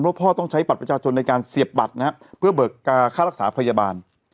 เพราะพ่อต้องใช้บัตรประชาชนในการเสียบบัตรนะฮะเพื่อเบิกกาค่ารักษาพยาบาล